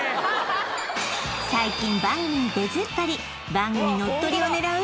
最近番組に出ずっぱり番組乗っ取りを狙う？